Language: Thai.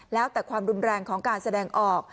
แล้วแต่ความรุนแรงของการแสดงออก